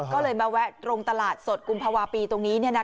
ก็เลยมาแวะตรงตลาดสดกุมภาวะปีตรงนี้